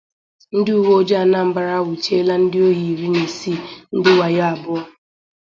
Ndị Uweojii Anambra Anwụchiela Ndị Ohi Iri Na Isii, Ndị Wayo Abụọ